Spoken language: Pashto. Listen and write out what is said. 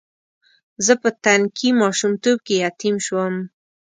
زه په تنکي ماشومتوب کې یتیم شوم.